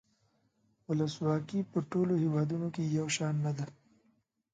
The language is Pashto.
ولسواکي په ټولو هیوادونو کې یو شان نده.